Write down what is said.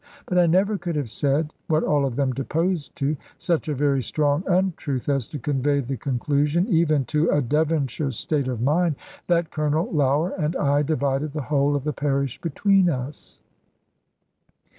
But I never could have said what all of them deposed to such a very strong untruth, as to convey the conclusion (even to a Devonshire state of mind), that Colonel Lougher and I divided the whole of the parish between us!